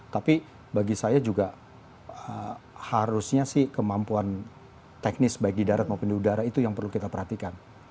tapi bagi saya juga harusnya sih kemampuan teknis baik di darat maupun di udara itu yang perlu kita perhatikan